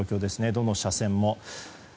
どの車線も。